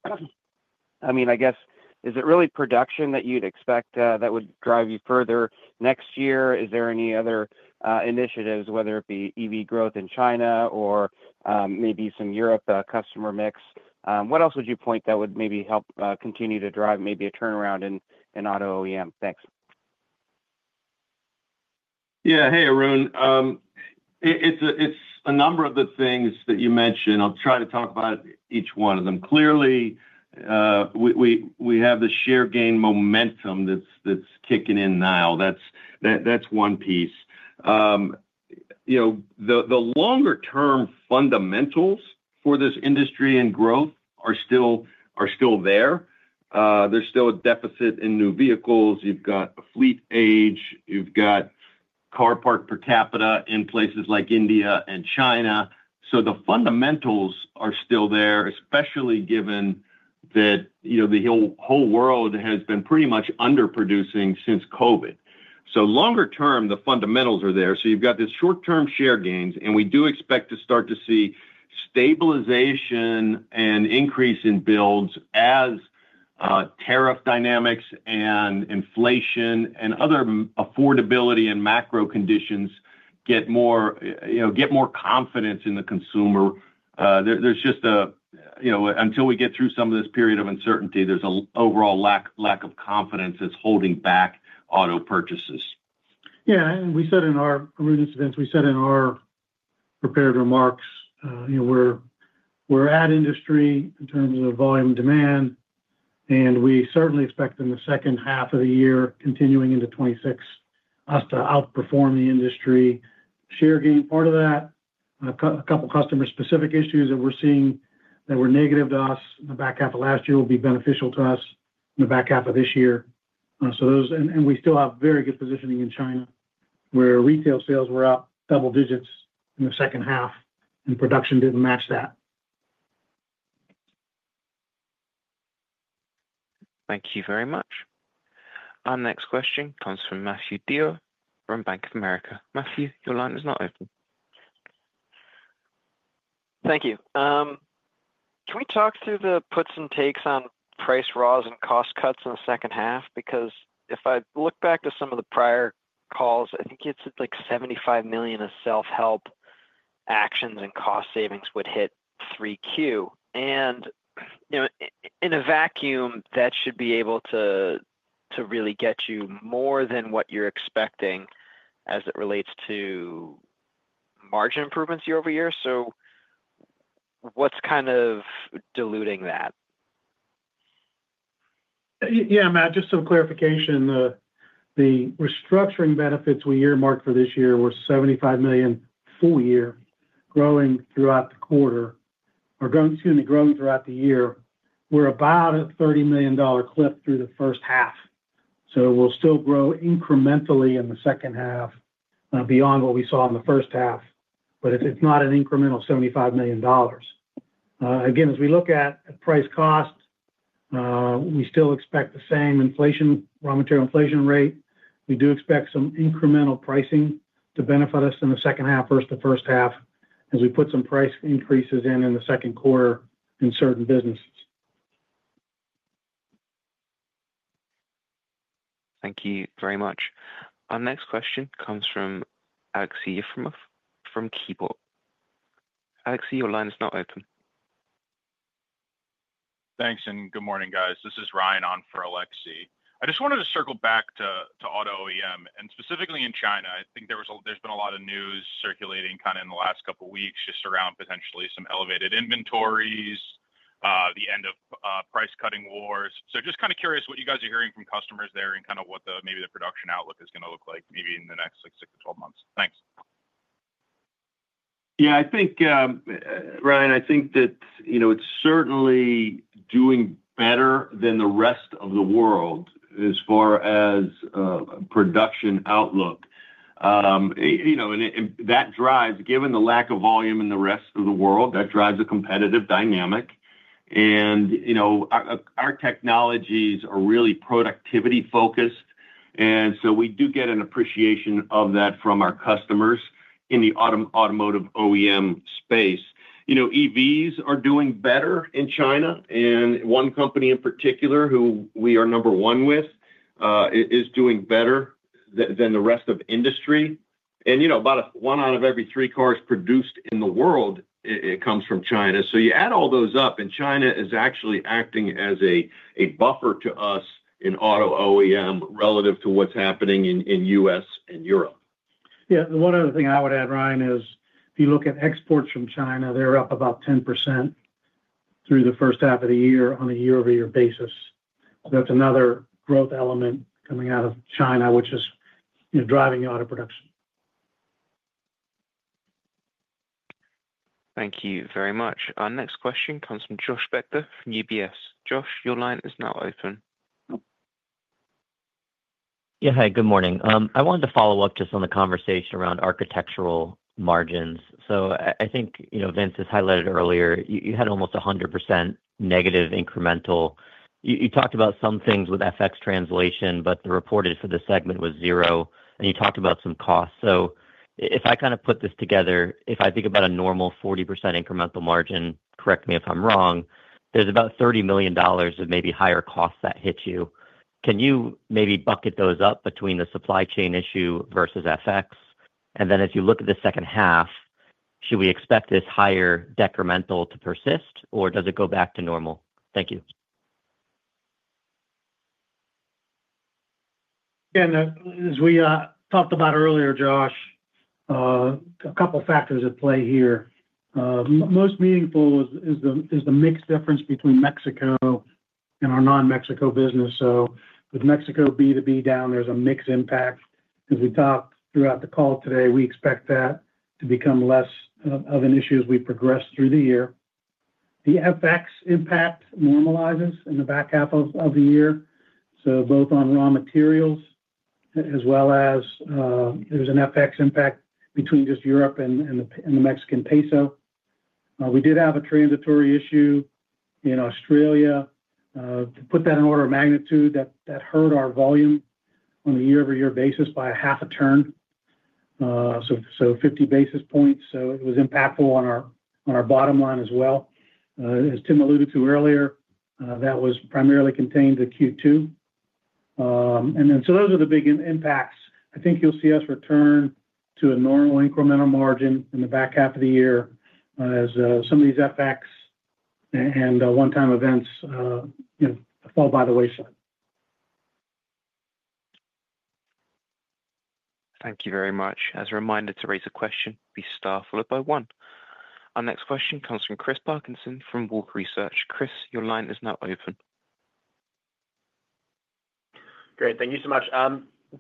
I mean, I guess is it really production that you'd expect that would drive you further next year? Is there any other initiatives, whether it be EV growth in China or maybe some Europe customer mix, what else would you point that would maybe help continue to drive, maybe a turnaround in auto OEM? Thanks. Yeah. Hey Arun, it's a number of the things that you mentioned. I'll try to talk about each one of them. Clearly we have the share gain momentum that's kicking in now. That's one piece. The longer term fundamentals for this industry and growth are still there. There's still a deficit in new vehicles. You've got a fleet age, you've got car park per capita in places like India and China. So the fundamentals are still there. Especially given that the whole world has been pretty much under producing since COVID. Longer term the fundamentals are there. You've got this short term share gains and we do expect to start to see stabilization and increase in builds as tariff dynamics and inflation and other affordability and macro conditions get more confidence in the consumer. There's just a, until we get through some of this period of uncertainty, there's an overall lack of confidence that's holding back auto purchases. Yeah. And we said in our prepared remarks, you know we're at industry in terms of volume demand and we certainly expect in the second half of the year continuing into 2026 US to outperform the industry share gain. Part of that, a couple customer specific issues that we're seeing that were negative to us in the back half of last year will be beneficial to us in the back half of this year. Those, and we still have very good positioning in China where retail sales were up double digits in the second half and production didn't match that. Thank you very much. Our next question comes from Matt Dyer from Bank of America. Matthew, your line is now open. Thank you. Can we talk through the puts and takes on price raws and cost cuts. n the second half? Because if I look back to some of the prior calls, I think it's like $75 million of self-help actions and cost savings would hit 3Q and you know in a vacuum that should be able to really get you more than what you're expecting as it relates. To margin improvements year-over-year. What's kind of diluting that? Yeah, Matt, just some clarification. The restructuring benefits we earmarked for this year were $75 million full year growing throughout the quarter or going to growing throughout the year. We're about a $30 million clip through the first half. We will still grow incrementally in the second half beyond what we saw in the first half. It is not an incremental $75 million. Again as we look at price cost we still expect the same inflation, raw material inflation rate. We do expect some incremental pricing to benefit us in the second half versus the first half as we put some price increases in in the second quarter in certain businesses. Thank you very much. Our next question comes from Alexsey Yefremov from KeyCorp. Alexi, your line is now open. Thanks and good morning guys. This is Ryan on for Alexi. I just wanted to circle back to auto OEM and specifically in China. I think there's been a lot of news circulating kind of in the last couple weeks just around potentially some elevated inventories, the end of price cutting wars. Just kind of curious what you guys are hearing from customers there and kind of what maybe the production outlook is going to look like maybe in the next six to twelve months. Thanks. Yeah, I think, Ryan, I think that, you know, it's certainly doing better than the rest of the world as far as production outlook, you know, and that drives, given the lack of volume in the rest of the world, that drives a competitive dynamic. You know, our technologies are really productivity focused and we do get an appreciation of that from our customers in the automotive OEM space. You know, EVs are doing better in China and one company in particular, who we are number one with, is doing better than the rest of industry. You know, about one out of every three cars produced in the world comes from China. You add all those up and China is actually acting as a buffer to us in auto OEM relative to what's happening in the U.S. and Europe. Yeah. One other thing I would add, Ryan, is if you look at exports from China, they're up about 10% through the first half of the year on a year-over-year basis. That's another growth element coming out of China which is driving auto production. Thank you very much. Our next question comes from Josh Spector from UBS. Josh, your line is now open. Yeah, hi, good morning. I wanted to follow up just on the conversation around architectural margins. I think, you know, Vince has highlighted earlier you had almost 100% negative incremental. You talked about some things with FX translation but the reported for the segment was zero and you talked about some costs. If I kind of put this together, if I think about a normal 40% incremental margin, correct me if I'm wrong, there's about $30 million of maybe higher costs that hit you. Can you maybe bucket those up between the supply chain issue versus FX and then as you look at the second half, should we expect this higher decremental to persist or does it go back to normal? Thank you. As we talked about earlier, Josh, a couple factors at play here. Most meaningful is the mixed difference between Mexico and our non-Mexico business. With Mexico B2B down, there is a mix impact. As we talked throughout the call today, we expect that to become less of an issue as we progress through the year. The FX impact normalizes in the back half of the year. Both on raw materials as well as there is an FX impact between just Europe and the Mexican peso, we did have a transitory issue in Australia. To put that in order of magnitude, that hurt our volume on a year-over-year basis by half a turn, so 50 basis points. It was impactful on our bottom line as well. As Tim alluded to earlier, that was primarily contained to Q2. Those are the big impacts. I think you will see us return to a normal incremental margin in the back half of the year as some of these FX and one-time events fall by the wayside. Thank you very much. As a reminder, to raise a question, star followed by one. Our next question comes from Chris Parkinson from Wolfe Research. Chris, your line is now open. Great, thank you so much,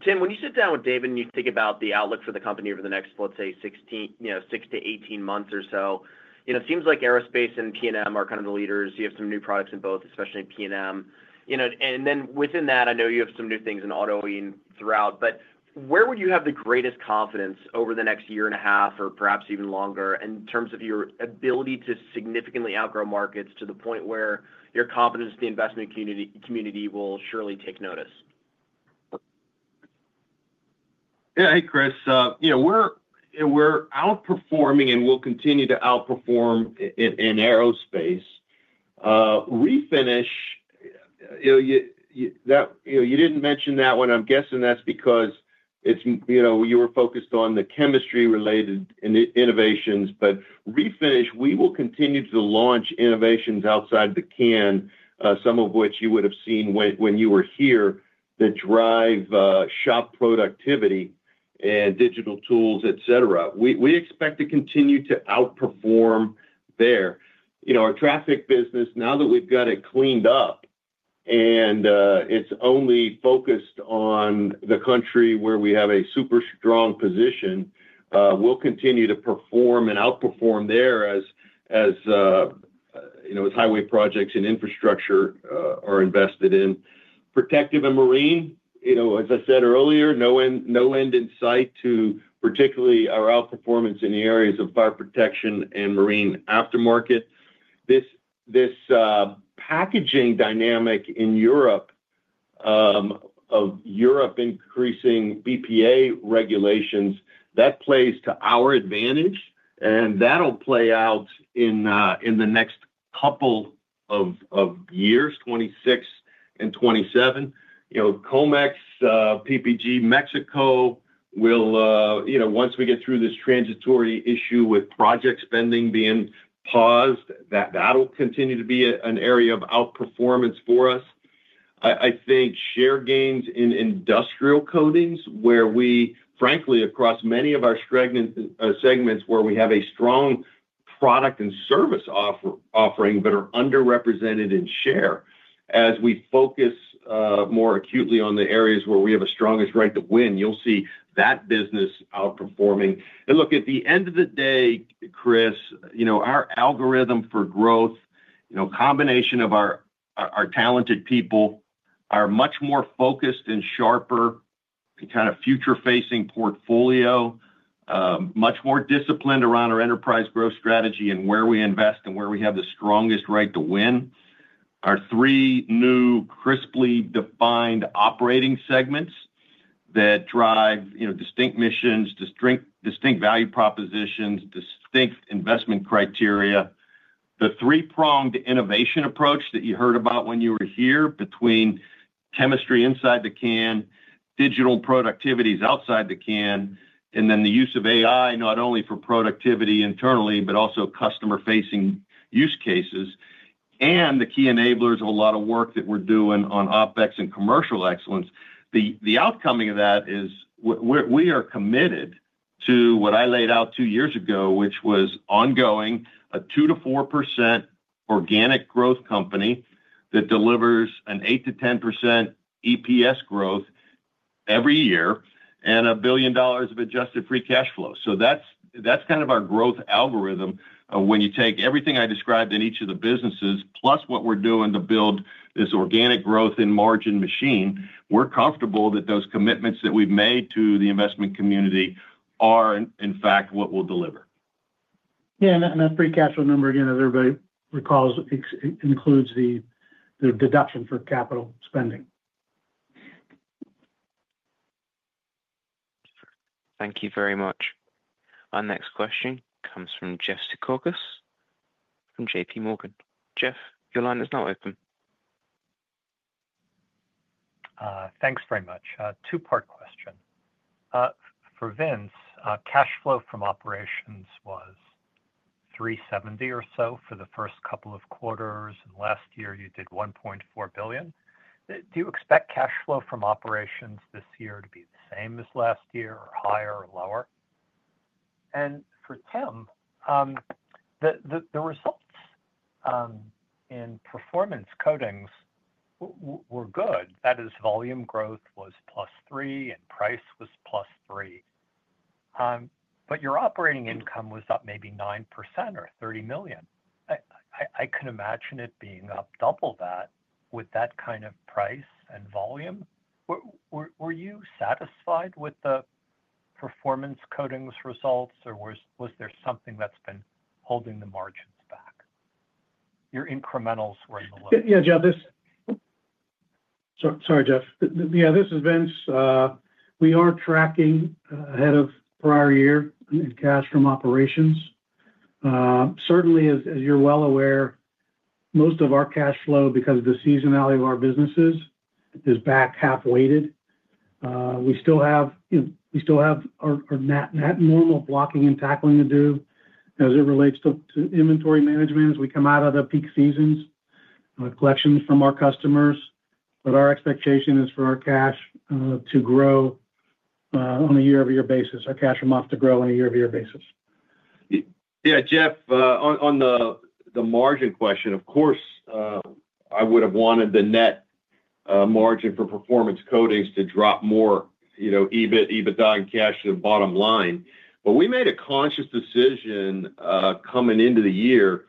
Tim. When you sit down with David and you think about the outlook for the company over the next, let's say, 16, you know, 6 to 18 months or so, you know, it seems like aerospace and PNM are kind of the leaders. You have some new products in both, especially PNM, you know, and then within that, I know you have some new things in auto and throughout. But where would you have the greatest confidence over the next year and a half or perhaps even longer in terms of your ability to significantly outgrow markets to the point where your confidence, the investment community will surely take notice? Yeah. Hey Chris, we're outperforming and we'll continue to outperform in aerospace. Refinish. You did not mention that one. I'm guessing that's because it's, you know, you were focused on the chemistry related innovations. But refinish, we will continue to launch innovations outside the can, some of which you would have seen when you were here, that drive shop productivity and digital tools, et cetera. We expect to continue to outperform there, you know, our traffic business, now that we've got it cleaned up and it's only focused on the country where we have a super strong position, we'll continue to perform and outperform there. As you know, as highway projects and infrastructure are invested in protective and marine, you know, as I said earlier, no end in sight to particularly our outperformance in the areas of fire protection and marine aftermarket. This packaging dynamic in Europe, of Europe, increasing BPA regulations, that plays to our advantage and that'll play out in the next couple of years 2026 and 2027, you know, COMEX, PPG, Mexico will, you know, once we get through this transitory issue with project spending being paused, that'll continue to be an area of outperformance for us, I think share gains in industrial coatings where we frankly across many of our segments, where we have a strong product and service offering but are underrepresented in shareholders. As we focus more acutely on the areas where we have a strongest right to win, you'll see that business outperforming. At the end of the day, Chris, our algorithm for growth combination of our talented people, our much more focused and sharper kind of future facing portfolio, much more disciplined around our enterprise growth strategy and where we invest and where we have the strongest right to win. Our three new crisply defined operating segments that drive distinct missions, distinct value propositions, distinct investment criteria. The three-pronged innovation approach that you heard about when you were here. Between chemistry inside the can, digital productivities outside the can and then the use of AI not only for productivity internally, but also customer-facing use cases and the key enablers of a lot of work that we're doing on OpEx and commercial excellence. The outcoming of that is we are committed to what I laid out two years ago, which was ongoing. A 2-4% organic growth company that delivers an 8-10% EPS growth every year and a billion dollars of adjusted free cash flow. That's kind of our growth algorithm. When you take everything I described in each of the businesses plus what we're doing to build this organic growth in margin machine, we're comfortable that those commitments that we've made to the investment community are in fact what we'll deliver. Yeah, and that's pretty casual number again, as everybody recalls, includes the deduction for capital spending. Thank you very much. Our next question comes from Jeff Zekauskas from J.P. Morgan. Jeff, your line is now open. Thanks very much. Two part question for Vince. Cash flow from operations was $370 million or so for the first couple of quarters. Last year you did $1.4 billion. Do you expect cash flow from operations? This year to be the same as last year or higher or lower? For Tim, the results in performance coatings were good. That is, volume growth was plus 3% and price was plus 3%. Your operating income was up maybe 9% or $30 million. I can imagine it being up double that with that kind of price and volume. Were you satisfied with the performance coatings results or was there something that's been holding the margins back? Your incrementals were in the low. Yeah, Jeff, sorry Jeff. Yeah, this is Vince. We are tracking ahead of prior year in cash from operations. Certainly as you're well aware, most of our cash flow because of the seasonality of our businesses is back half weighted. We still have our normal blocking and tackling to do as it relates to inventory management as we come out of the peak seasons, collections from our customers. Our expectation is for our cash to grow on a year-over-year basis. Our cash from operations to grow on a year-over-year basis. Yeah, Jeff, on the margin question, of course I would have wanted the net margin for performance coatings to drop more, you know, EBIT, EBITDA and cash to the bottom line. But we made a conscious decision coming into the year.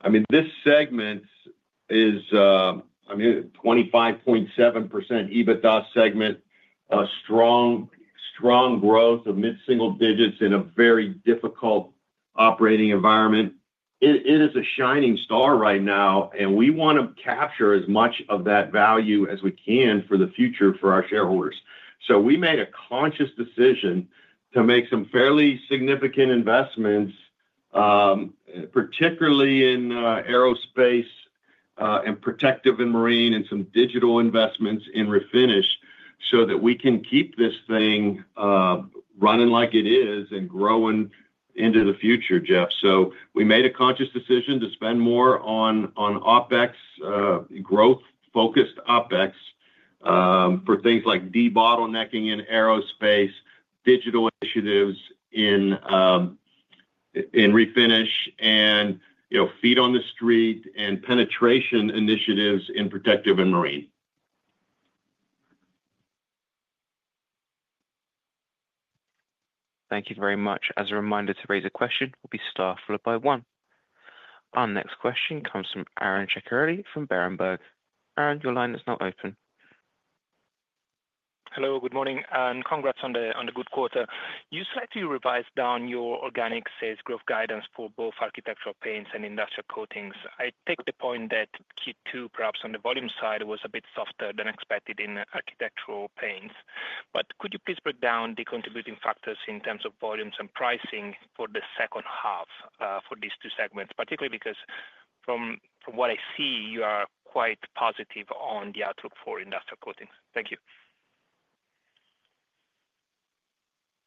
I mean this segment is, I mean, 25.7% EBITDA segment, strong, strong growth of mid single digits in a very difficult operating environment. It is a shining star right now and we want to capture as much of that value as we can for the future for our shareholders. We made a conscious decision to make some fairly significant investments, particularly in aerospace and protective and marine and some digital investments in Refinish so that we can keep this thing running like it is and growing into the future. Jeff, we made a conscious decision to spend more on Opex, growth-focused Opex for things like debottlenecking in aerospace, digital initiatives in Refinish and, you know, feet on the street and penetration initiatives in protective and marine. Thank you very much. As a reminder, to raise a question will be staffed by one. Our next question comes from Aaron Ceccarelli from Berenberg. Aaron, your line is now open. Hello, good morning and congrats on the good quarter. You slightly revised down your organic sales growth guidance for both architectural paints and industrial coatings. I take the point that Q2, perhaps on the volume side, was a bit softer than expected in architectural paints. Could you please break down the contributing factors in terms of volumes and pricing for the second half for these two segments, particularly because from what I see you are quite positive on the outlook for industrial coatings. Thank you.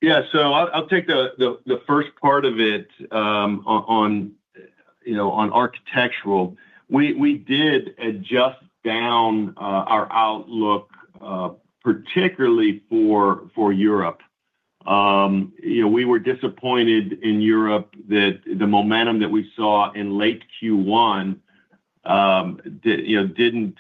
Yeah, so I'll take the first part of it on. You know, on architectural, we did adjust down our outlook, particularly for Europe. You know, we were disappointed in Europe that the momentum that we saw in late Q1, you know, didn't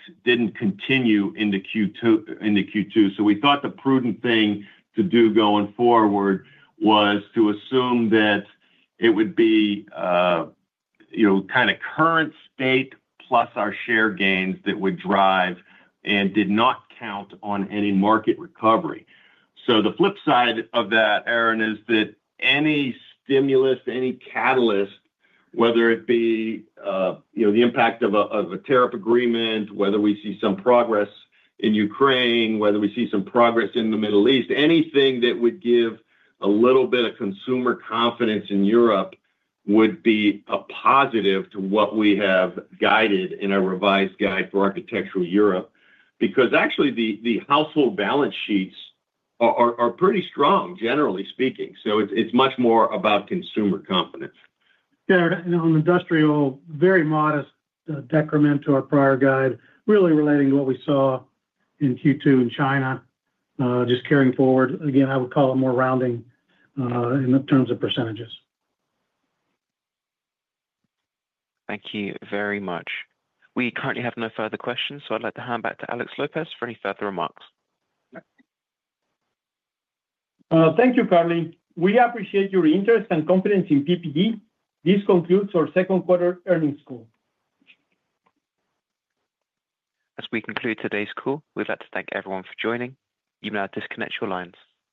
continue into Q2. We thought the prudent thing to do going forward was to assume that it would be, you know, kind of current state plus our share gains that would drive and did not count on any market recovery. The flip side of that, Aaron, is that any stimulus, any catalyst, whether it be the impact of a tariff agreement, whether we see some progress in Ukraine, whether we see some progress in the Middle East, anything that would give a little bit of consumer confidence in Europe would be a positive to what we have guided in our revised guide for Architectural Europe. Because actually, the household balance sheets are pretty strong, generally speaking. It's much more about consumer confidence. On industrial, very modest decrement to our prior guide, really relating to what we saw in Q2 in China. Just carrying forward again, I would call it more rounding in terms of percentages. Thank you very much. We currently have no further questions, so I'd like to hand back to Alex Lopez for any further remarks. Thank you, Carly. We appreciate your interest and confidence in PPG. This concludes our Second Quarter Earnings Call. As we conclude today's call, we'd like to thank everyone for joining you. Now disconnect your lines.